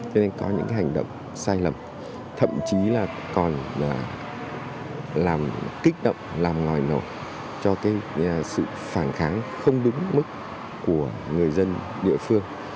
cho nên có những hành động sai lầm thậm chí là còn làm kích động làm ngòi nổ cho cái sự phản kháng không đúng mức của người dân địa phương